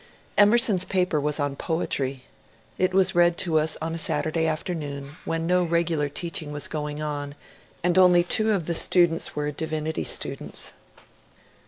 Emerson's paper was on Poetry ; it was read to us on a Saturday afternoon when no reg^ular teaching was going on, and only two of the listeners were divinity students.